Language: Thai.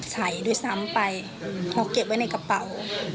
ใส่ด้วยซ้ำไปเราเก็บไว้ในกระเป๋า